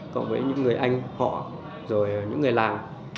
cộng với những người anh họ rồi những người làng